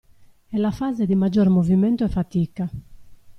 È la fase di maggior movimento e fatica.